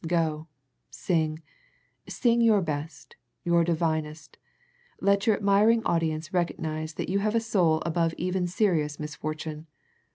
Go, sing sing your best, your divinest let your admiring audience recognize that you have a soul above even serious misfortune.